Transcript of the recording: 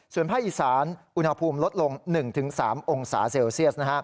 ส่วนภาคอีสานอุณหภูมิลดลง๑๓องศาเซลเซียส